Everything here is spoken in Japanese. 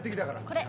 これ。